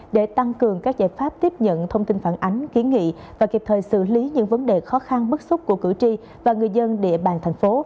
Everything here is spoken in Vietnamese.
để tăng cường các giải pháp tiếp nhận thông tin phản ánh kiến nghị và kịp thời xử lý những vấn đề khó khăn bất xúc của cử tri và người dân địa bàn thành phố